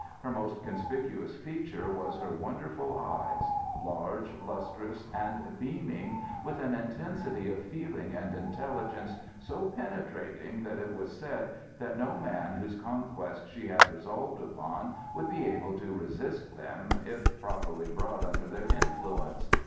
Her most conspicuous feature was her wonderful eyes, large, lustrous, and beaming with an intensity of feeling and intelligence so penetrating that it was said that no man whose conquest she had resolved upon would be able to resist them if properly brought under their influence.